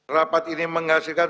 rapat ini menghasilkan